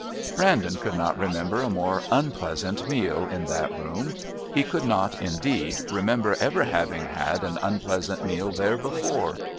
Brandon could not remember a more unpleasant meal in that room; he could not, indeed, remember ever having had an unpleasant meal there before.